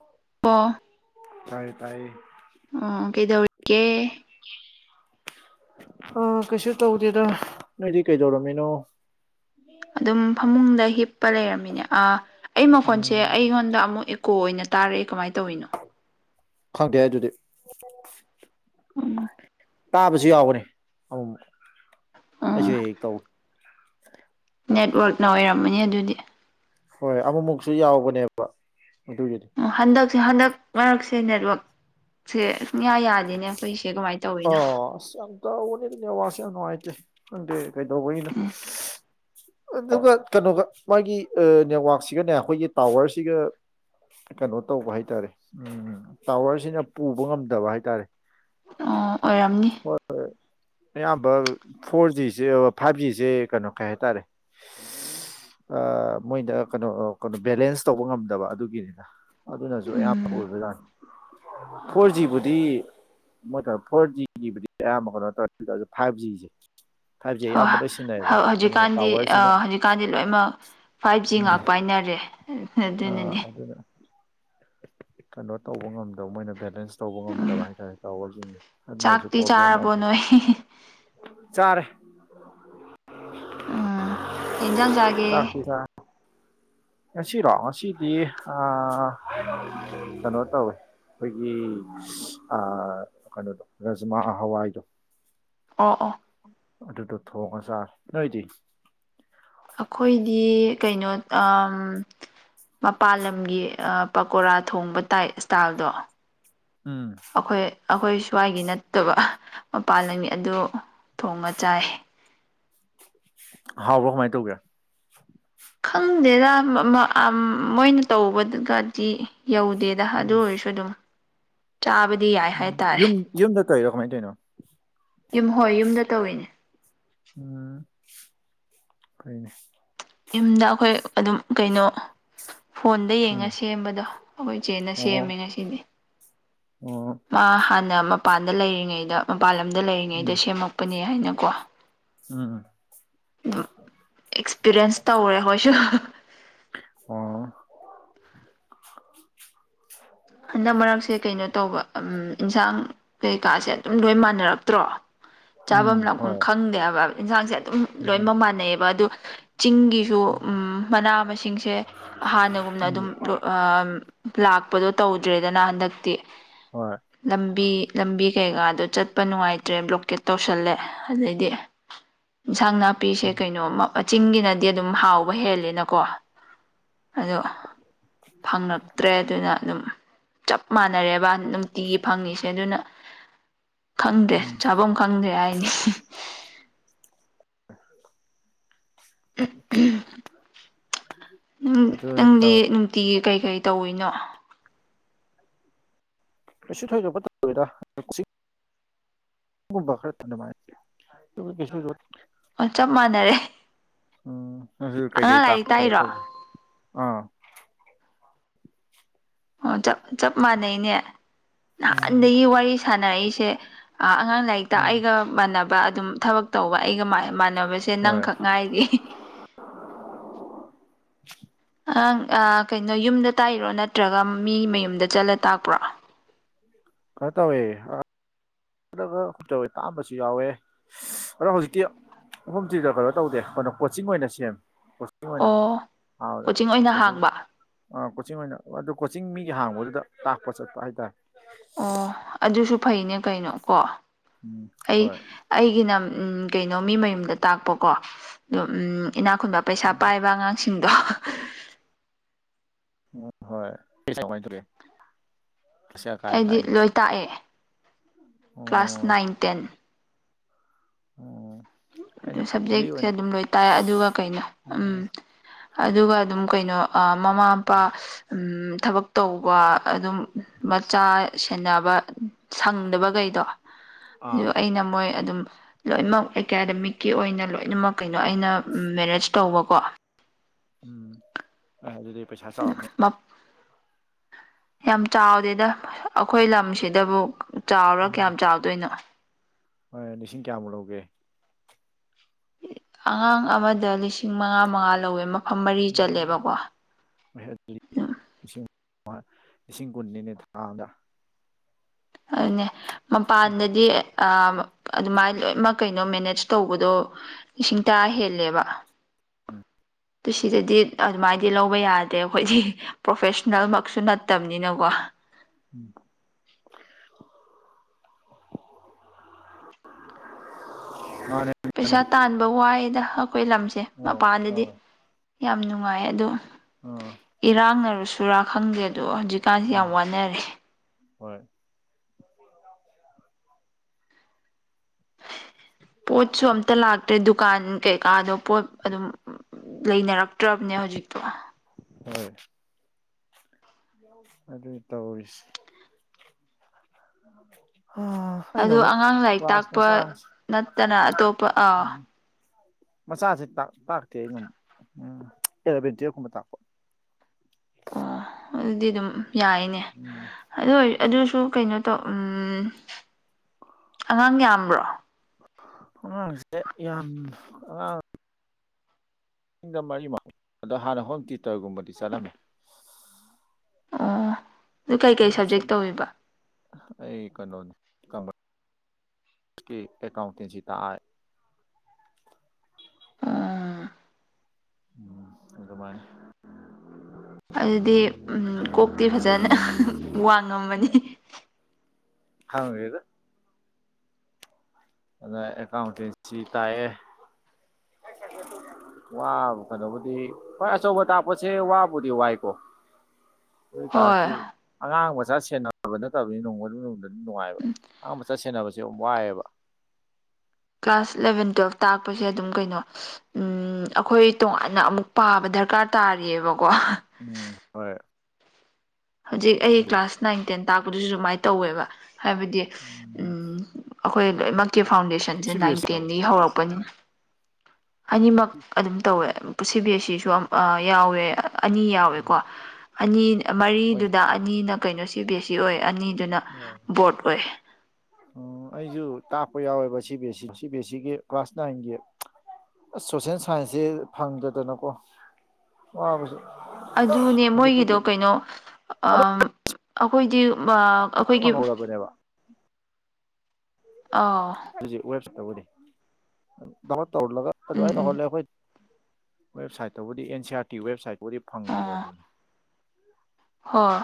ꯎꯪ ꯄ ꯇꯥꯏ ꯇꯥꯏꯌꯦ ꯑꯣ ꯀꯩꯗꯧꯔꯤꯀꯦ [unintelligible] ꯑ ꯀꯩꯁꯨ ꯇꯧꯗꯦꯗ ꯅꯣꯢꯗꯤ ꯀꯩꯗꯧꯔꯝꯃꯤꯅꯣ ꯑꯗꯨꯝ ꯐꯃꯨꯡꯗ ꯍꯤꯞꯄ ꯂꯩꯔꯝꯃꯤꯅꯦ ꯑ ꯑꯩ ꯃꯈꯣꯟꯁꯦ ꯎꯝ ꯑꯩꯉꯣꯟꯗ ꯑꯃꯨꯛ ꯀꯣ ꯑꯣꯢꯅ ꯇꯥꯔꯛꯑꯦ ꯀꯃꯥꯢ ꯇꯧꯋꯤꯅꯣ ꯈꯪꯗꯦ ꯑꯗꯨꯗꯤ, ꯎꯝ ꯇꯥꯕꯁꯨ ꯌꯥꯎꯕꯅꯦ ꯑꯃꯨꯃꯨꯛ ꯑꯩꯁꯨ ꯑꯣ ꯍꯦꯛꯍꯦꯛ ꯇꯧꯋꯦ ꯅꯦꯠꯋꯔꯛꯅ ꯑꯣꯢꯔꯝꯃꯅꯤ ꯑꯗꯨꯗꯤ ꯍꯣꯏ ꯑꯃꯨꯃꯨꯛꯁꯨ ꯌꯥꯎꯕꯅꯦꯕ ꯑꯗꯨꯒꯤꯗꯤ ꯑ ꯍꯟꯗꯛꯁꯦ ꯍꯟꯗꯛ ꯃꯔꯛꯁꯦ ꯅꯦꯠꯋꯔꯛ ꯁꯦ ꯁꯨꯡꯌꯥ ꯌꯥꯗꯦꯅꯦ ꯑꯩꯈꯣꯏꯁꯦ ꯀꯃꯥꯏꯅ ꯇꯧꯋꯤꯅꯣ ꯑꯣ ꯑꯁ ꯌꯥꯝ ꯇꯥꯎꯕꯅꯦ ꯅꯦꯋꯥꯛꯁꯦ ꯌꯥꯝ ꯅꯨꯡꯉꯥꯢꯇꯦ ꯈꯪꯗꯦ ꯀꯩꯗꯧꯕꯩꯅꯣ ꯑꯗꯨꯒ ꯀꯩꯅꯣꯒ ꯃꯥꯒꯤ ꯅꯦꯠꯋꯔꯥꯛꯁꯤꯒꯅꯦ ꯑꯩꯈꯣꯏꯒꯤ ꯇꯥꯋꯔꯁꯤꯒ ꯀꯩꯅꯣ ꯇꯧꯕ ꯍꯥꯏꯇꯥꯔꯦ ꯎꯝ ꯇꯥꯋꯔꯁꯤꯅ ꯄꯨꯕ ꯉꯝꯗꯕ ꯍꯥꯏꯇꯥꯔꯦ ꯑꯣ ꯑꯣꯏꯔꯝꯅꯤ ꯍꯣꯏ ꯍꯣꯏ ꯑꯌꯥꯝꯕ ꯐꯣꯔ ꯖꯤꯁꯦ ꯐꯥꯏꯚ ꯖꯤꯁꯦ ꯀꯩꯅꯣ ꯀꯩ ꯍꯥꯏꯇꯥꯔꯦ [unintelligible] ꯑ ꯃꯣꯏꯗ ꯀꯅꯣ ꯀꯅꯣ ꯕꯦꯂꯦꯟꯁ ꯇꯧꯕ ꯉꯝꯗꯕ ꯑꯗꯨꯒꯤꯅꯤꯗ ꯑꯗꯨꯅꯖꯨ ꯑꯌꯥꯝꯕ ꯎꯝ ꯑꯣꯏꯕ ꯖꯅꯤ ꯐꯣꯔ ꯖꯤꯕꯨꯗꯤ ꯃꯣꯏꯒ ꯐꯣꯔ ꯖꯤꯒꯤꯕꯨꯗꯤ ꯑꯌꯥꯝꯕ ꯀꯩꯅꯣ ꯇꯧꯔ ꯑꯗꯨ ꯑꯣꯏꯇꯔꯁꯨ ꯐꯥꯏꯚ ꯖꯤꯁꯦ ꯐꯥꯢꯕ ꯖꯤ ꯑꯌꯥꯝꯕ ꯂꯣꯏ ꯁꯤꯖꯤꯟꯅꯩꯌꯦꯕ ꯑꯗꯨꯅ ꯇꯋꯔ ꯑ ꯍꯧꯖꯤꯛꯀꯥꯟꯗꯤ ꯂꯣꯏꯃꯛ ꯐꯥꯏꯚ ꯖꯤ ꯉꯥꯛ ꯄꯥꯢꯅꯔꯦ ꯑ ꯑꯗꯨꯅ ꯀꯩꯅꯣ ꯇꯧꯕ ꯉꯝꯗꯕ ꯃꯣꯏꯅ ꯚꯦꯂꯦꯟꯁ ꯇꯧꯕ ꯎꯝ ꯉꯝꯗꯕ ꯍꯥꯏꯇꯥꯔꯦ ꯇꯥꯎꯋꯔꯖꯤꯡꯖꯦ ꯑꯗꯨꯅꯁꯨ ꯆꯥꯛꯇꯤ ꯄ꯭ꯔꯣꯕ꯭ꯂꯦꯝ ꯌꯥꯝ ꯆꯥꯔꯕꯣ ꯊꫭꯛꯄ ꯅꯣꯏ ꯆꯥꯔꯦ ꯎꯝ ꯀꯩ ꯏꯟꯖꯥꯡ ꯆꯥꯒꯦ ꯆꯥꯛꯇꯤ ꯆꯥꯔꯦ ꯉꯁꯤꯔꯣ ꯉꯁꯤꯗꯤ ꯑ ꯀꯅꯣ ꯇꯧꯋꯦ ꯈꯣꯏꯒꯤ ꯑ ꯀꯅꯣꯗꯣ ꯔꯥꯖꯃꯥ ꯍꯋꯥꯏꯗꯣ ꯑꯣ ꯑꯣ ꯑꯗꯨꯗꯣ ꯊꯣꯡꯉ ꯆꯥꯔ ꯅꯣꯏꯗꯤ ꯑꯩꯈꯣꯏꯗꯤ ꯀꯩꯅꯣ ꯑꯥꯝ ꯃꯄꯥꯜ ꯂꯝꯒꯤ ꯑ ꯄꯀꯣꯔꯥ ꯊꯣꯡꯕ ꯇꯥꯏꯞ ꯏꯁ꯭ꯇꯥꯏꯜꯗꯣ ꯎꯝ꯫ ꯑꯈꯣꯏ ꯑꯈꯣꯏ ꯁ꯭ꯋꯥꯏꯒꯤ ꯅꯠꯇꯕ ꯃꯄꯥꯟ ꯂꯝꯒꯤ ꯑꯗꯨ ꯊꯣꯡꯉ ꯆꯥꯏ ꯍꯥꯎꯕ꯭ꯔꯥ ꯀꯃꯥꯥꯏ ꯇꯧꯒꯦ ꯈꯪꯗꯦꯗ ꯃꯥ ꯑꯥ ꯃꯣꯏꯅ ꯇꯧꯕꯗꯥꯗꯤ ꯌꯧꯗꯦ ꯗ ꯑꯗꯨ ꯎꯝ ꯑꯣꯏꯔꯁꯨ ꯑꯗꯨꯝ ꯆꯥꯕꯗꯤ ꯌꯥꯏ ꯎꯝ ꯍꯥꯏꯇꯥꯔꯦ ꯌꯨꯝ ꯌꯨꯝꯗ ꯇꯩꯔꯣ ꯀꯃꯥꯏꯟ ꯇꯩꯅꯣ ꯌꯨꯝ ꯍꯣꯏ ꯌꯨꯝꯗ ꯇꯧꯋꯤꯅꯦ ꯎꯝ ꯐꯩꯅꯦ ꯌꯨꯝꯗ ꯑꯈꯣꯏ ꯑꯗꯨꯝ ꯀꯩꯅꯣ ꯐꯣꯟꯗꯩ ꯎꯝ ꯌꯦꯡꯉ ꯁꯦꯝꯕꯗꯣ ꯑꯩꯈꯣꯏ ꯆꯦꯟꯅ ꯑꯣ ꯁꯦꯝꯃꯦ ꯉꯁꯤꯗꯤ ꯑꯣ ꯃꯥ ꯍꯥꯟꯅ ꯃꯄꯥꯟꯗ ꯂꯩꯔꯤꯉꯩꯗ ꯃꯄꯥꯟ ꯂꯝꯗ ꯎꯝ ꯂꯩꯔꯤꯉꯩꯗ ꯁꯦꯝꯃꯛꯄꯅꯦ ꯍꯥꯢꯅꯀꯣ ꯎꯝ꯫ ꯑꯦꯛꯁꯄꯤꯔꯤꯌꯦꯟꯁ ꯇꯧꯔꯦ ꯈꯣꯢꯁꯨ ꯑꯣ ꯍꯟꯗꯛ ꯃꯔꯛꯁꯦ ꯀꯩꯅꯣ ꯇꯧꯕ ꯑꯝ ꯏꯟꯁꯥꯡ ꯀꯩꯀꯥꯁꯦ ꯑꯗꯨꯝ ꯂꯣꯢ ꯃꯥꯟꯅꯔꯛꯇ꯭ꯔꯣ ꯎꯝ ꯆꯥꯕꯝ ꯂꯥꯛꯐꯝ ꯍꯣꯏ ꯈꯪꯗꯦ ꯍꯥꯢꯕ ꯏꯟꯖꯥꯡꯖꯦ ꯑꯗꯨꯝ ꯎꯝ ꯂꯣꯢꯃꯛ ꯃꯥꯟꯅꯩꯑꯦꯕ ꯑꯗꯨ ꯆꯤꯡꯒꯤꯁꯨ ꯎꯝ ꯃꯅꯥ ꯃꯁꯤꯡꯁꯦ ꯍꯟꯅꯒꯨꯝꯅ ꯑꯗꯨꯝ ꯂꫭꯏ ꯑꯥꯝ ꯂꯥꯛꯄꯗꯣ ꯇꯧꯗ꯭ꯔꯦꯗꯅ ꯍꯟꯗꯛꯇꯤ ꯍꯣꯢ ꯂꯝꯕꯤ ꯂꯝꯕꯤ ꯀꯩꯀꯥꯗꯣ ꯆꯠꯄ ꯅꯨꯡꯉꯥꯢꯇ꯭ꯔꯦ ꯕ꯭ꯂꯣꯀꯦꯠ ꯇꯧꯁꯜꯂꯦ ꯑꯗꯩꯗꯤ [inaudible] ꯏꯟꯁꯥꯡ ꯅꯥꯄꯤꯁꯦ ꯀꯩꯅꯣꯃ ꯆꯤꯡꯒꯤꯅꯗꯤ ꯑꯗꯨꯝ ꯍꯥꯎꯕ ꯍꯦꯜꯂꯦꯅꯀꯣ ꯑꯗꯣ ꯐꯪꯉꯛꯇ꯭ꯔꯦ ꯑꯗꯨꯅ ꯑꯗꯨꯝ ꯆꯞ ꯃꯥꯟꯅꯔꯦꯕ ꯅꯨꯡꯇꯤꯒꯤ ꯐꯪꯉꯤꯁꯦ ꯑꯗꯨꯅ ꯈꯪꯗ꯭ꯔꯦ ꯎꯝ ꯆꯥꯕꯝ ꯈꯪꯗ꯭ꯔꯦ ꯍꯥꯏꯗꯤ [inaudible] ꯎꯝ ꯑꯗꯨ ꯅꯪꯗꯤ ꯇꯧ ꯅꯨꯡ ꯇꯤꯒꯤ ꯀꯩ ꯀꯩ ꯇꯧꯋꯤꯅꯣ ꯀꯩꯁꯨ ꯊꯣꯢꯗꯣꯛꯄ ꯇꯧꯗꯦꯗ ꯀꯣꯆꯤꯡ ꯒꯨꯝꯕ ꯈꯔ ꯑꯗꯨꯃꯥꯏ ꯑꯇꫭꯞꯄꯥ ꯀꯩꯁꯨ [unintelligible] ꯑꯣ ꯆꯞ ꯃꯥꯟꯅꯔꯦ ꯎꯝ ꯑꯗꯨ ꯑꯉꯥꯡ ꯀꯩꯀꯩ ꯂꯥꯏꯔꯤꯛ ꯇꯥꯛꯄ ꯀꯩꯅꫭ ꯇꯥꯛꯏꯔꯣ ꯇꯧꯒꯦ ꯑꯥ ꯑꯣ ꯆꯞ ꯆꯞ ꯃꯥꯟꯅꯩꯅꯦ ꯎꯝ ꯅꯍꯥꯟꯗꯒꯤ ꯋꯥꯔꯤ ꯁꯥꯟꯅꯔꯛꯏꯁꯦ ꯑ ꯑꯉꯥꯡ ꯂꯥꯢꯔꯤꯛꯇ ꯎꯝ ꯑꯩꯒ ꯃꯥꯟꯅꯕ ꯑꯗꯨꯝ ꯊꯕꯛ ꯇꯧꯕ ꯑꯩꯒ ꯃꯥꯟꯅ ꯃꯥꯟꯅꯕꯁꯦ ꯍꯣꯏ ꯅꯪꯈꯛ ꯉꯥꯢꯔꯤ [inaudible] ꯑꯪ ꯑ ꯀꯩꯅꯣ ꯌꯨꯝꯗ ꯇꯥꯛꯏꯔꯣ ꯅꯠꯇ꯭ꯔꯒ ꯃꯤ ꯃꯌꯨꯝꯗ ꯆꯠꯂ ꯇꯥꯛꯄ꯭ꯔꯣ ꯀꯩꯅꯣ ꯇꯧꯋꯦ ꯑ ꯆꯂꯒ [unintelligible] ꯇꯥꯑꯝꯕꯁꯨ ꯌꯥꯎꯋꯦ ꯏꯁ ꯑꯗꯣ ꯍꯧꯖꯤꯛꯇꯤ ꯍꯣꯝ ꯇ꯭ꯌꯤꯇꯔ ꯀꯩꯅꯣ ꯇꯧꯗꯦ ꯀꯩꯅꯣ ꯀꯣꯆꯤꯡ ꯑꯣꯢꯅ ꯁꯦꯝꯃꯦ ꯀꯣ ꯆꯤꯡ ꯑꯣꯏꯅ ꯑꯣ ꯑ ꯑꯗꯨ ꯑꯣꯏꯅ ꯀꯣꯆꯤꯡ ꯍꯥꯡꯕ ꯑꯥ ꯀꯣꯆꯤꯡ ꯑꯣꯢꯅ ꯑꯗꯨ ꯀꯣꯆꯤꯡ ꯃꯤꯒꯤ ꯍꯥꯡꯕꯗꯨꯗ ꯇꯥꯛꯄ ꯆꯠꯄ ꯍꯥꯢꯇꯥꯔꯦ ꯑꯣ ꯑꯗꯨꯁꯨ ꯐꯩꯅꯦ ꯀꯩꯅꯣ ꯀꯣ ꯎꯝ ꯑꯩ ꯍꯣꯏ ꯑꯩꯒꯤꯅ ꯎꯝ ꯀꯩꯅꯣ ꯃꯤ ꯃꯌꯨꯝꯗ ꯇꯥꯛꯄꯀꯣ ꯑꯗꯣ ꯎꯝ ꯏꯅꯥꯛ ꯈꯨꯨꯟꯕ ꯄꯩꯁꯥ ꯄꯥꯢꯕ ꯑꯉꯥꯡꯁꯤꯡꯗꯣ ꯎꯝ ꯍꯣꯏ [unintelligible] ꯀ꯭ꯂꯥꯁ ꯀꯌꯥ ꯀꯥꯏ ꯑꯩꯗꯤ ꯇꯥꯛꯏꯅꯣ ꯂꯣꯢ ꯇꯥꯛꯑꯦ ꯀ꯭ꯂꯥꯁ ꯑꯣ ꯅꯥꯏꯟ ꯇꯦꯟ ꯑꯣ ꯑꯩꯅ ꯂꯤ ꯁꯕꯖꯦꯛꯁꯦ ꯑꯣꯏꯅ ꯑꯗꯨꯝ ꯂꯣꯢ ꯇꯥꯛꯑꯦ ꯑꯗꯨꯒ ꯀꯩꯅꯣ ꯎꯝ ꯑꯗꯨꯒ ꯑꯗꯨꯝ ꯀꯩꯅꯣ ꯑ ꯃꯃꯥ ꯃꯄꯥ ꯎꯝ ꯊꯕꯛ ꯇꯧꯕ ꯑꯗꯨꯝ ꯃꯆꯥ ꯁꯦꯟꯅꯕ ꯁꯪꯗꯕꯒꯩꯗꯣ ꯑꯗꯨ ꯑꯥ ꯑꯩꯅ ꯃꯣꯢ ꯑꯗꯨꯝ ꯂꯣꯢꯅꯃꯛ ꯑꯦꯀꯥꯗꯃꯤꯛꯀꯤ ꯑꯣꯢꯅ ꯂꯣꯢꯅꯃꯛ ꯀꯩꯅꯣ ꯑꯩꯅ ꯃꯦꯅꯦꯖ ꯇꯧꯕꯀꯣ ꯎꯝ ꯑꯦ ꯑꯗꯨꯗꯤ ꯄꯩꯁꯥ ꯆꯥꯎꯔꯝꯃꯅꯤ ꯌꯥꯝ ꯆꯥꯎꯗꯦꯗ ꯑꯈꯣꯢ ꯂꯝꯁꯤꯗꯕꯨ ꯆꯥꯎꯔ ꯀꯌꯥꯝ ꯆꯥꯎꯗꯣꯢꯅꯣ ꯍꯣꯢ ꯂꯤꯁꯤꯡ ꯀꯌꯥꯃꯨꯛ ꯂꯧꯒꯦ ꯑꯉꯥꯡ ꯑꯃꯗ ꯂꯤꯁꯤꯡ ꯃꯉꯥ ꯃꯉꯥ ꯂꯧꯋꯦ ꯃꯐꯝ ꯃꯔꯤ ꯆꯠꯂꯦꯕꯀꯣ ꯂꯤ ꯂꯤꯁꯤꯡ ꯃꯉꯥ ꯂꯤꯁꯤꯡ ꯀꯨꯟꯅꯤꯅꯦ ꯊꯥ ꯑꯝꯗ ꯑꯗꯨꯅꯦ ꯃꯄꯥꯟꯗꯗꯤ ꯑꯥ ꯑꯗꯨꯃꯥꯢ ꯂꯣꯢꯃꯛ ꯀꯩꯅꯣ ꯃꯦꯅꯦꯖ ꯇꯧꯕꯗꯣ ꯂꯤꯁꯤꯡ ꯇꯔꯥ ꯍꯦꯜꯂꯦꯕ ꯎꯝ [inaudible] ꯇꯨ ꯁꯤꯗꯗꯤ ꯑꯗꯨꯃꯥꯏꯗꯤ ꯂꯧꯕ ꯌꯥꯗꯦ ꯑꯩꯈꯣꯏꯗꯤ ꯄ꯭ꯔꯣꯐꯦꯁꯅꯦꯜꯃꯛꯁꯨ ꯅꯠꯇꯝꯅꯤꯅꯀꯣ ꯎꯝ [inaudible] ꯃꯥꯅꯦ ꯃꯥꯅꯦ ꯄꯩꯁꯥ ꯇꯥꯟꯕ ꯋꯥꯏꯗ ꯑꯩꯈꯣꯏ ꯂꯝꯁꯦ ꯑꯧ ꯃꯄꯥꯟꯗꯗꯤ ꯑꯧ ꯌꯥꯝ ꯅꯨꯡꯉꯥꯏ ꯑꯗꯨ ꯑꯥ ꯏꯔꯥꯡꯅꯔ ꯁꯨꯔꯥ ꯈꯪꯗꯦ ꯑꯗꯣ ꯍꯧꯖꯤꯛꯀꯥꯟꯁꯤ ꯌꯥꯝ ꯑꯥ ꯋꯥꯅꯔꯦ ꯍꯣꯏ ꯄꯣꯠꯁꯨ ꯑꯝꯇ ꯂꯥꯛꯇ꯭ꯔꯦ ꯗꯨ ꯀꯥꯟ ꯀꯩꯀꯥꯗꯣ ꯄꯣꯠ ꯑꯗꯨꯝ ꯂꯩꯅꯔꯛꯇ꯭ꯔꯝꯅꯦ ꯍꯧꯖꯤꯛꯇꯣ ꯍꯣꯏ ꯑꯗꯨ ꯇꯧꯔꯤꯁꯦ ꯑ [inaudible] ꯐꯩꯅ ꯑꯗꯨ ꯃꯨꯛ ꯑꯉꯥꯡ ꯂꯥꯏꯔꯤꯛ ꯀ꯭ꯂꯥꯁ ꯇꯥꯛꯄ ꯃꯆꯥꯅꯤ ꯅꯠꯇꯅ ꯑꯇꯣꯞꯄ ꯑꯥ ꯎ ꯃꯆꯥꯖꯦ ꯇꯥꯛ ꯇꯥꯛꯇꯦ ꯑꯩꯅꯃꯨꯛ ꯎꯝ ꯑꯦꯂꯕꯦꯟ ꯇ꯭ꯋꯦꯜꯕꯀꯨꯝꯕ ꯇꯥꯛꯄ ꯑꯣ ꯑꯗꯨꯗꯤ ꯑꯗꯨꯝ ꯌꯥꯢꯅꯦ ꯎꯝ ꯑꯗꯨꯑꯣꯢ ꯑꯗꯨꯁꯨ ꯀꯩꯅꯣ ꯇꯧ ꯎꯝ ꯑꯉꯥꯡ ꯌꯥꯝꯕ꯭ꯔꯣ ꯑꯉꯥꯡꯁꯦ ꯌꯥꯝ ꯑꯉꯥꯡ ꯁꯤꯡꯗ ꯃꯔꯤꯃꯛ ꯑꯗꯣ ꯍꯥꯟꯅ ꯍꯣꯝ ꯇ꯭ꯌꯨꯇꯔꯒꯨꯝꯕꯗꯤ ꯆꯠꯂꯝꯃꯦ ꯑꯣ ꯗꯨ ꯀꯩꯀꯩ ꯁꯕꯖꯦꯛ ꯇꯧꯋꯦꯕ ꯑꯩ ꯀꯩꯅꯣꯅꯤ ꯀꯪꯃꯔꯁꯀꯤ ꯑꯦꯀꯥꯎꯟꯇꯦꯟꯁꯤ ꯇꯥꯛꯑ ꯑꯥ [inaudible] ꯑꯗꯨꯃꯥꯏꯅ ꯑꯗꯨꯗꯤ ꯀꯣꯛꯇꯤ ꯐꯖꯅ ꯋꯥꯡꯉꯝꯃꯅꯤ ꯈꯪꯗꯦꯗ ꯑꯗ ꯑꯦꯀꯥꯎꯟꯇꯦꯟꯁꯤ ꯇꯥꯛꯑꯦ ꯋꯥꯕ ꯀꯩꯅꯣꯕꯨꯗꯤ ꯍꯣꯏ ꯑꯆꯧꯕ ꯇꯥꯛꯄꯁꯦ ꯋꯥꯕꯨꯗꯤ ꯋꯥꯏꯀꯣ ꯑꯗꯨ ꯍꯣꯏ ꯑꯣꯏꯇꯥꯥꯔꯁꯨ ꯑꯉꯥꯡ ꯃꯆꯥ ꯁꯦꯟꯅꯕ ꯅꯠꯇꯕꯅꯤ ꯅꯣꯡꯃ ꯅꯣꯡ ꯅꯨꯡꯉꯥꯏꯕ ꯑꯉꯥꯡ ꯃꯆꯥ ꯁꯦꯟꯅꯕꯁꯦ ꯌꯥꯝ ꯋꯥꯏꯌꯦꯕ ꯀ꯭ꯂꯥꯁ ꯏꯂꯚꯦꯟ ꯇꯨꯌꯦꯜꯞ ꯇꯥꯛꯄꯁꯦ ꯑꯗꯨꯝ ꯀꯩꯅꯣ ꯎꯝ ꯑꯩꯈꯣꯏ ꯇꯣꯉꯥꯟꯅ ꯑꯃꯨꯛ ꯄꯥꯕ ꯗꯔꯀꯥꯔ ꯇꯥꯔꯤꯌꯦꯕꯀꯣ ꯎꯝ ꯍꯣꯏ ꯍꯧꯖꯤꯛ ꯑꯩ ꯀ꯭ꯂꯥꯁ ꯅꯥꯏꯟ ꯇꯦꯟ ꯇꯥꯛꯄꯗꯨꯁꯨ ꯑꯗꯨꯃꯥꯏꯅ ꯇꯧꯋꯦꯕ ꯍꯥꯏꯕꯗꯤ ꯎꯝ ꯑꯩꯈꯣꯏ ꯂꯣꯏꯅꯃꯛꯀꯤ ꯐꯥꯎꯟꯗꯦꯁꯟꯁꯦ ꯁꯤ ꯕꯤ ꯑꯦꯁ ꯏꯗꯣ ꯅꯥꯏꯟꯇꯦꯟꯗꯒꯤ ꯍꯧꯔꯛꯄꯅꯤ ꯑꯅꯤꯃꯛ ꯑꯗꯨꯝ ꯇꯧꯋꯦ ꯄ ꯁꯤꯕꯤꯑꯦꯁ ꯁꯤꯁꯨ ꯑꯝ ꯌꯥꯎꯋꯦ ꯑꯅꯤ ꯌꯥꯎꯋꯦꯀꯣ ꯑꯅꯤ ꯍꯣꯏꯅꯦ ꯃꯔꯤꯗꯨꯗ ꯑꯅꯤꯅ ꯀꯩꯅꯣ ꯁꯤ ꯕꯤ ꯑꯦꯁ ꯁꯤ ꯑꯣꯏ ꯑꯅꯤ ꯑꯗꯨꯅ ꯕꯣꯔꯠ ꯑꯣꯏ ꯑꯩꯁꯨ ꯇꯥꯛꯄ ꯌꯥꯎꯋꯦꯕ C B S E C B S ꯁꯤꯒꯤ ꯀ꯭ꯂꯥꯁ ꯅꯥꯏꯟꯒꯤ ꯑꯁ ꯁꯣꯁꯦꯜ ꯁꯥꯏꯟꯁꯁꯦ ꯐꯪꯗꯗꯅꯀꯣ ꯋꯥꯕꯁꯦ ꯑꯗꯨꯅꯦ ꯃꯣꯏꯒꯤꯗꯣ ꯍꯧꯖꯤꯛꯄꯨꯗꯤ ꯀꯩꯅꯣ ꯑ ꯑꯗꯨꯝ ꯑꯩꯈꯣꯏꯗꯤ ꯑꯥ ꯐꯪꯍꯧꯔꯕꯅꯦꯕ ꯑꯥ ꯑꯗꯨꯖꯤꯛ ꯋꯦꯕꯁꯥꯏꯠ ꯇꯕꯨꯗꯤ ꯗꯥꯎꯂꯣꯠ ꯇꯧꯍꯜꯂꯒ ꯎꯝ ꯑꯗꯨꯋꯥꯏ ꯎꯝ ꯇꯧꯍꯜꯂꯦ ꯑꯩꯈꯣꯏ ꯋꯦꯕꯁꯥꯏꯠꯇꯕꯨꯗꯤ ꯑꯦꯟ ꯁꯤ ꯑꯥꯔ ꯇꯤ ꯋꯦꯕꯁꯥꯏꯠꯄꯨꯗꯤ ꯑꯥ ꯐꯪꯉꯕꯅꯤ ꯍꯣꯏ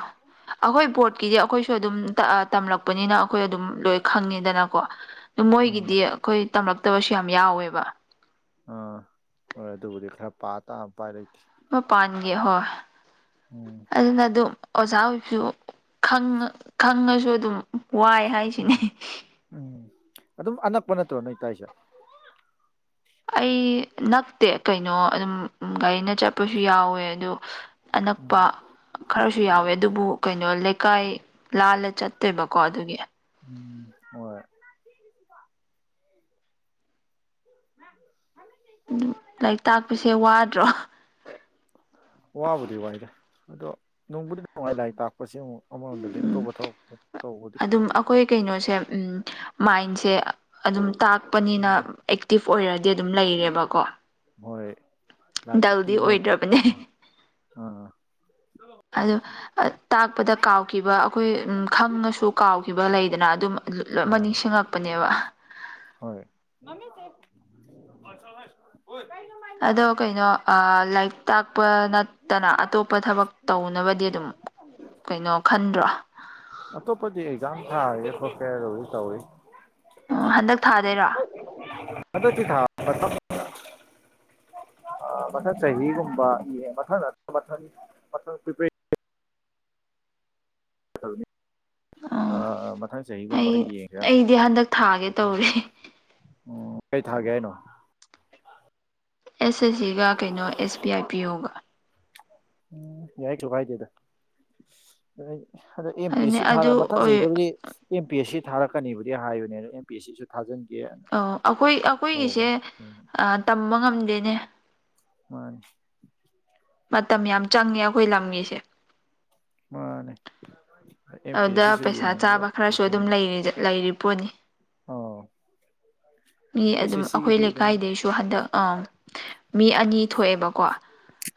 ꯑꯩꯈꯣꯏ ꯕꯣꯔꯠꯀꯤꯗꯤ ꯑꯩꯈꯣꯏꯁꯨ ꯑꯗꯨꯝ ꯇꯝꯂꯛꯄꯅꯤꯅ ꯑꯩꯈꯣꯏ ꯑꯗꯨꯝ ꯂꯣꯏ ꯈꯪꯉꯤꯗꯅꯀꯣ ꯎꯝ ꯃꯣꯏꯒꯤꯗꯤ ꯑꯩꯈꯣꯏ ꯇꯝꯂꯛꯇꯕꯁꯨ ꯌꯥꯝ ꯌꯥꯎꯋꯦꯕ ꯑꯥ ꯍꯣꯏ ꯑꯗꯨꯕꯨꯗꯤ ꯈꯔ ꯄꯥ ꯇꯥ ꯎꯄꯥꯏ ꯂꯩꯇꯦ ꯃꯄꯥꯟꯒꯤ ꯍꯣꯏ ꯎꯝ ꯑꯗꯨꯅ ꯑꯗꯨꯝ ꯑꯣꯖꯥ ꯑꯣꯏꯕꯁꯨ ꯈꯪꯉ ꯈꯪꯉꯁꯨ ꯑꯗꯨꯝ ꯋꯥꯏ ꯎꯝ ꯍꯥꯏꯁꯤꯅꯤ ꯎꯝ ꯑꯗꯨꯝ ꯑꯅꯛꯄ ꯅꯠꯇ꯭ꯔꯣ ꯅꯣꯏ ꯇꯥꯛꯏꯖꯦ ꯑꯩ ꯅꯛꯇꯦ ꯀꯩꯅꯣ ꯑꯗꯨꯝ ꯒꯥꯔꯤꯅ ꯆꯠꯄꯁꯨ ꯌꯥꯎꯌꯦ ꯑꯗꯨ ꯎꯝ ꯑꯅꯛꯄ ꯈꯔꯁꯨ ꯌꯥꯎꯌꯦ ꯑꯗꯨꯕꯨ ꯀꯩꯅꯣ ꯂꯩꯀꯥꯏ ꯂꯥꯜꯂ ꯆꯠꯇꯣꯏꯕꯀꯣ ꯑꯗꯨꯒꯤ ꯎꯝ ꯍꯣꯏ [unintelligible] ꯑꯗꯨꯝ ꯂꯥꯏꯛ ꯇꯥꯛꯄꯁꯦ ꯋꯥꯗ꯭ꯔꯣ ꯋꯥꯕꯨꯗꯤ ꯋꯥꯏꯗ ꯑꯗꯣ ꯅꯨꯡꯕꯨꯗꯤ ꯅꯨꯡꯉꯥꯏ ꯂꯥꯏꯔꯤꯛ ꯇꯥꯛꯄꯁꯦ ꯑꯃꯨꯛ ꯑꯃꯔꯣꯝꯗꯗꯤ ꯑꯇꯣꯞꯄ ꯊꯕꯛ ꯃꯨꯛ ꯇꯧꯕꯗꯤ ꯈꯣꯏ ꯀꯩꯅꯣꯁꯦ ꯎꯝ ꯃꯥꯏꯟꯁꯦ ꯑꯗꯨꯝ ꯇꯥꯛꯄꯅꯤꯅ ꯑꯦꯛꯇꯤꯞ ꯑꯣꯏꯔꯗꯤ ꯑꯗꯨꯝ ꯂꯩꯔꯦꯕꯀꯣ ꯍꯣꯏ ꯗꯜꯗꯤ ꯂꯥꯏꯔꯤꯛꯀꯤ ꯅꯣꯂꯦꯖ ꯑꯣꯏꯗ꯭ꯔꯕꯅꯦ ꯑꯥ ꯑꯗꯣ ꯇꯥꯛꯄꯗ ꯀꯥꯎꯈꯤꯕ ꯑꯩꯈꯣꯏ ꯈꯪꯉꯁꯨ ꯀꯥꯎꯈꯤꯕ ꯂꯩꯗꯅ ꯑꯗꯨꯝ ꯑꯗꯨ ꯂꯝꯃ ꯑꯥ ꯅꯤꯡꯁꯤꯡꯉꯛꯄꯅꯦꯕ ꯍꯣꯏ ꯃꯃꯤꯠꯁꯦ ꯀꯣꯊꯣꯍꯦ ꯑꯗꯣ ꯀꯩꯅꯣ ꯑꯥ ꯂꯥꯏꯏꯛ ꯇꯥꯛꯄ ꯅꯠ ꯇꯅꯥ ꯑꯇꯣꯞꯄ ꯊꯕꯛ ꯇꯧꯅꯕꯗꯤ ꯑꯗꯨꯝ ꯀꯩꯅꯣ ꯈꯟꯗ꯭ꯔꯣ ꯑꯇꯣꯞꯄꯗꯤ ꯑꯦꯛꯖꯥꯝ ꯊꯥꯒꯦꯔꯥ ꯈꯣꯠꯀꯦꯔꯥ ꯂꯣꯏ ꯇꯧꯏ ꯍꯟꯗꯛ ꯊꯥꯗꯣꯏꯔꯣ ꯍꯣꯏ ꯍꯟꯗꯛꯇꯤ ꯊꯥ ꯃꯊꯪ ꯑꯥ ꯃꯊꯪ ꯆꯍꯤꯒꯨꯝꯕ ꯌꯦꯡꯕ ꯃꯊꯪ ꯃꯊꯪ ꯃꯊꯪ ꯄ꯭ꯔꯤꯄ꯭ꯔꯦ ꯇꯧꯅꯤ ꯎꯝ ꯑꯥ ꯃꯊꯪ ꯆꯍꯤꯒꯨꯝꯕ ꯑꯩ ꯌꯦꯡꯒꯦꯔꯥ ꯑꯩꯗꯤ ꯍꯟꯗꯛ ꯊꯥꯒꯦ ꯇꯧꯔꯦ ꯑꯣ ꯀꯩ ꯊꯥꯒꯦ ꯍꯥꯏꯅꯣ ꯑꯦꯁ ꯑꯦꯁ ꯁꯤꯒ ꯀꯩꯅꯣ ꯑꯦꯁ ꯕꯤ ꯑꯥꯏ ꯄꯤ ꯑꯣꯒ ꯌꯥꯏ ꯆꯨ ꯀꯥꯏꯗꯦꯗ ꯑꯩ ꯍꯟꯗꯛ ꯑꯦꯝ ꯄꯤ ꯑꯦꯁ ꯑꯗꯨꯅꯦ ꯁꯤ ꯊꯥꯔꯥ ꯑꯗꯨ ꯃꯊꯪ ꯑꯣꯏ ꯆꯍꯤꯗꯕꯨꯗꯤ ꯑꯦꯝ ꯄꯤ ꯑꯦꯁ ꯁꯤ ꯊꯥꯔꯛꯀꯅꯤꯕꯨꯗꯤ ꯍꯥꯏꯕꯅꯦ ꯑꯗꯣ ꯑꯦꯝ ꯄꯤ ꯑꯦꯁ ꯁꯤꯁꯨ ꯊꯥꯖꯟꯒꯦ ꯑꯧ ꯑꯈꯣꯏ ꯑꯈꯣꯏꯒꯤꯁꯦ ꯑꯥ ꯇꯝꯕ ꯉꯝꯗꯦꯅꯦ ꯃꯥꯟꯅꯤ ꯃꯇꯝ ꯌꯥꯝ ꯆꯪꯉꯦ ꯑꯈꯣꯏ ꯂꯝꯒꯤꯁꯦ ꯃꯥꯟꯅꯤ ꯑꯗꯨꯗ ꯄꯩꯁꯥ ꯆꯥꯕ ꯈꯔꯁꯨ ꯑꯗꯨꯝ ꯂꯩꯔꯤꯗ ꯂꯩꯔꯤ ꯄꯣꯠꯅꯤ ꯑꯣ ꯃꯤ ꯑꯗꯨꯝ ꯑꯈꯣꯏ ꯑꯗꯨꯝ ꯂꯩꯀꯥꯏꯗꯩꯁꯨ ꯍꯟꯗꯛ ꯑꯥꯝ ꯃꯤ ꯑꯅꯤ ꯊꯣꯛꯑꯦꯕꯀꯣ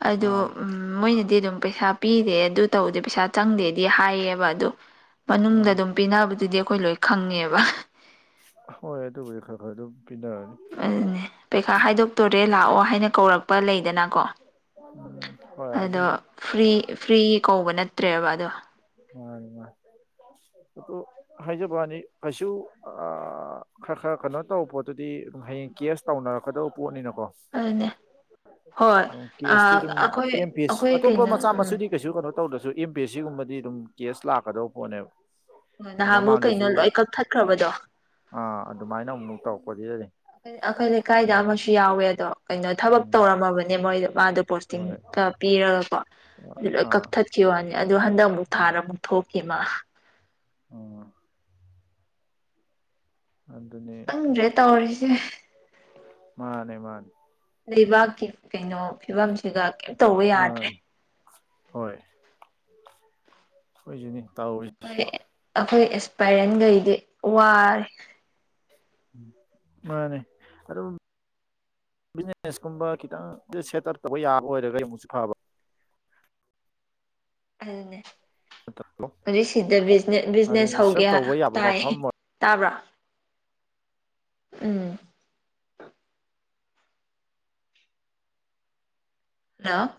ꯑꯗꯨ ꯑꯥ ꯎꯝ ꯃꯣꯏꯅꯗꯤ ꯑꯗꯨꯝ ꯄꯩꯁꯥ ꯄꯤꯗꯦ ꯑꯗꯨ ꯇꯧꯗꯦ ꯄꯩꯁꯥ ꯆꯪꯗꯦꯗꯤ ꯍꯥꯏꯌꯦꯕ ꯑꯗꯨ ꯃꯅꯨꯡꯗ ꯑꯥ ꯑꯗꯨꯝ ꯄꯤꯅꯕꯗꯨꯗꯤ ꯑꯈꯣꯏ ꯂꯣꯏ ꯈꯪꯉꯦꯕ ꯍꯣꯏ ꯑꯗꯨꯕꯨꯗꯤ ꯈꯔ ꯈ ꯑꯗꯨꯝ ꯄꯤꯅꯔꯝꯅꯤ ꯑꯗꯨꯅꯤ ꯄꯩꯈꯥ ꯍꯥꯏꯗꯣꯛꯇꯣꯔꯦ ꯂꯥꯛꯑꯣ ꯍꯥꯏꯅ ꯀꯧꯔꯛꯄ ꯂꯩꯗꯅꯥꯀꯣ ꯎꯝ ꯍꯣꯏ ꯑꯗꯣ ꯑꯗꯨꯝ ꯐ꯭ꯔꯤ ꯐ꯭ꯔꯤ ꯀꯧꯕ ꯅꯠꯇ꯭ꯔꯦꯕ ꯑꯗꯣ ꯃꯥꯟꯅꯤ ꯃꯥꯟ ꯑꯗꯨ ꯍꯥꯏꯖꯕ ꯋꯥꯅꯤ ꯀꯩꯁꯨ ꯑꯥ ꯈ꯭ꯔ ꯈ꯭ꯔ ꯀꯅꯣ ꯇꯧꯕ ꯄꯣꯠꯇꯨꯗꯤ ꯑꯗꯨꯝ ꯍꯌꯦꯡ ꯀꯦꯁ ꯇꯧꯅꯔꯛꯀꯗꯧꯕ ꯄꯣꯠꯅꯤꯅꯀꯣ ꯑꯗꯨꯅꯦ ꯍꯣꯏ ꯎꯝ ꯑ ꯀꯦꯁꯇꯤ ꯑꯗꯨꯝ ꯑꯦꯝ ꯑꯩꯈꯣꯏ ꯄꯦꯁ ꯑꯩꯈꯣꯏ ꯑꯇꯣꯞꯄ ꯀꯩꯅꯣ ꯃꯆꯥ ꯎꯝ ꯃꯁꯨꯗꯤ ꯀꯩꯁꯨ ꯀꯅꯣ ꯇꯧꯗ꯭ꯔꯖꯨ ꯑꯦꯝ ꯄꯤ ꯑꯦꯁ ꯁꯤꯒꯨꯝꯕꯗꯤ ꯑꯗꯨꯝ ꯀꯦꯁ ꯂꯥꯛꯀꯗꯧ ꯄꯣꯠꯅꯦꯕ ꯑꯥ, ꯅꯍꯥꯟꯃꯨꯛ ꯀꯩꯅꯣ ꯃꯃꯥꯡꯗꯁꯨ ꯂꯣꯏ ꯀꯛꯊꯠꯈ꯭ꯔꯕꯗꯣ ꯑꯥ ꯑꯗꯨꯃꯥꯏꯅ ꯑꯃꯨꯛ ꯇꯧꯔꯛꯄꯗꯨꯗꯅꯤ ꯑꯩꯈꯣꯏ ꯂꯩꯀꯥꯏꯗ ꯑꯃꯁꯨ ꯌꯥꯎꯋꯦ ꯑꯗꯣ ꯀꯩꯅꯣ ꯊꯕꯛ ꯎꯝ ꯇꯧꯔꯝꯃꯕꯅꯦ ꯃꯣꯏꯗꯣ ꯃꯥꯗꯣ ꯄꯣꯁꯇꯤꯡ ꯍꯣꯏ ꯀ ꯄꯤꯔꯒꯀꯣ ꯑꯗꯨ ꯂꯣꯏ ꯑꯥ ꯀꯛꯊꯠ ꯈꯤ ꯋꯥꯅꯤ ꯑꯗꯨ ꯍꯟꯗꯛ ꯃꯨꯛ ꯊꯥꯔ ꯃꯨꯛ ꯊꯣꯛꯈꯤ ꯃꯥ ꯑꯣ ꯑꯗꯨꯨꯅꯦ ꯈꯪꯗ꯭ꯔꯦ ꯇꯧꯔꯤꯁꯦ ꯃꯥꯅꯦ ꯃꯥꯅꯦ ꯂꯩꯕꯥꯛꯀꯤ ꯀꯩꯅꯣ ꯐꯤꯕꯝꯁꯤꯒ ꯀꯩꯝ ꯇꯧꯕ ꯌꯥꯗ꯭ꯔꯦ ꯃꯥꯅꯤ ꯍꯣꯏ ꯑꯈꯣꯏꯁꯨꯅꯤ ꯇꯥꯔꯤ ꯑꯈꯣꯏ ꯑꯈꯣꯏ ꯑꯦꯁꯄꯥꯏꯔꯟꯒꯩꯗꯤ ꯋꯥꯔꯦ ꯃꯥꯅꯤ ꯑꯗꯨꯝ ꯕꯤꯖꯤꯅꯦꯁ ꯀꯨꯝꯕ ꯈꯤꯇꯪ ꯁꯦꯠ ꯑꯞ ꯇꯧꯕ ꯌꯥꯕ ꯑꯣꯏꯔꯒ ꯑꯃꯨꯛꯁꯨ ꯐꯕ ꯑꯗꯨꯅꯦ ꯅꯠꯇ꯭ꯔꯣ ꯀꯔꯤ ꯁꯤꯗ ꯕꯤꯖꯤꯅꯦꯁ ꯑꯗꯨꯅꯤ ꯁꯦꯞ ꯍꯧꯒꯤꯌꯥ ꯇꯧꯕ ꯌꯥꯕ ꯇꯥꯏ ꯃꯐꯝ ꯇꯥꯕ꯭ꯔꯥ ꯎꯝ ꯍꯜꯂꯣ